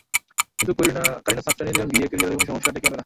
কিন্তু কারিনা সাফ জানিয়ে দিলেন, বিয়ে ক্যারিয়ারে কোনো সমস্যা ডেকে আনবে না।